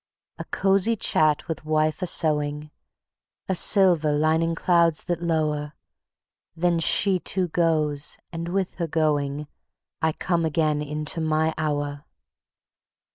A cozy chat with wife a sewing, A silver lining clouds that low'r, Then she too goes, and with her going, I come again into my Hour.